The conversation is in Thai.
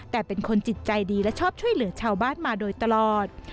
แต่เป็นคนจิตใจดีและชอบช่วยเหลือชาวบ้านมาโดยตลอด